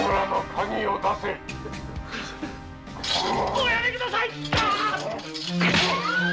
おやめください‼